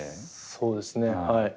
そうですねはい。